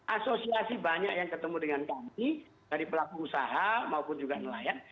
asosiasi banyak yang ketemu dengan kami dari pelaku usaha maupun juga nelayan